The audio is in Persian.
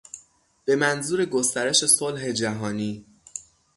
بهمنظور گسترش صلح جهانی